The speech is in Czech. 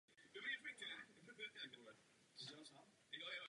Patří ke třetímu stavebnímu úseku Moskevského metra.